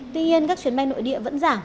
tuy nhiên các chuyến bay nội địa vẫn giảm